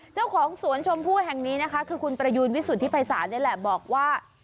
เจ้าของสวนชมพู่แห่งนี้นะคะคือคุณประยูนวิสุทธิภัยศาลนี่แหละบอกว่า